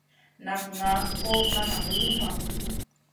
Nak ŋaʼa kò ma nak luma.